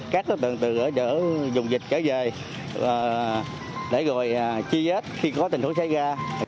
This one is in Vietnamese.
các đối tượng từ dùng dịch trở về để rồi chi giết khi có tình huống xảy ra